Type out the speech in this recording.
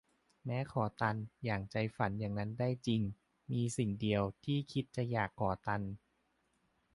แม้ขอตัน อย่างใจฝันอย่างนั้นได้จริง มีสิ่งเดียว ที่คิดจะอยากขอตัน